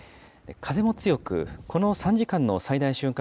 風も強く、この３時間の最大瞬間